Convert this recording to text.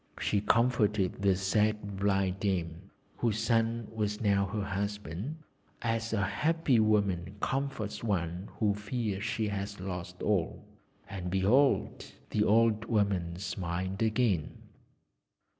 She comforted the sad blind dame, whose son was now her husband, as a happy woman comforts one who fears she has lost all, and behold! the old woman smiled again.